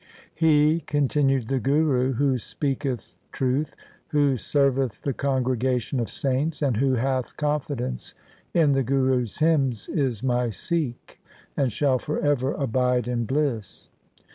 'He', con tinued the Guru, ' who speaketh truth, who serveth the congregation of saints, and who hath confidence in the Gurus' hymns is my Sikh, and shall for ever abide in bliss.'